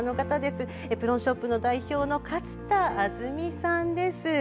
エプロンショップの代表の勝田亜純さんです。